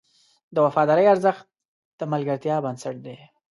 د وفادارۍ ارزښت د ملګرتیا بنسټ دی.